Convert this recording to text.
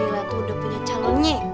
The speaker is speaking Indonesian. lila tuh udah punya calonnya